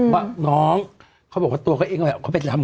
ว่าน้องเขาบอกว่าตัวเขาเอง